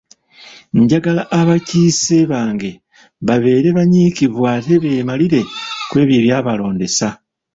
Njagala abakiise bange babeere banyiikivu ate beemalire ku ebyo ebyabalondesa.